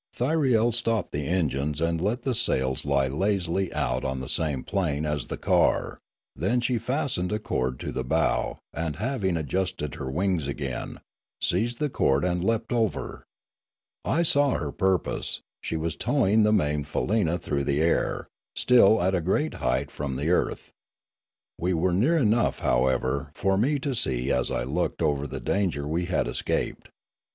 Thyriel stopped the engines and let the sails lie lazily out on the same plane as the car, then she fastened a cord to the bow and, having adjusted her wings again, seized the cord and leapt over. I saw her purpose: she was towing the maimed faleena through the air, still at a great height from the earth. We were near enough, however, for me to see as I looked over the danger we had escaped.